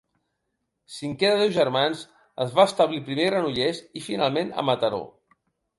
Cinquè de deu germans, es va establir primer a Granollers i finalment a Mataró.